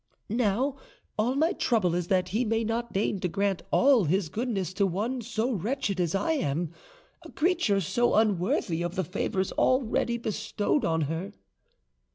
Now all my trouble is that He may not deign to grant all His goodness to one so wretched as I am, a creature so unworthy of the favours already bestowed on her."